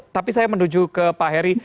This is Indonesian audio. tapi saya menuju ke pak heri